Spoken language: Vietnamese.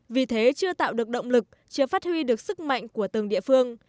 vì thế chưa tạo được động lực chưa phát huy được sức mạnh của từng địa phương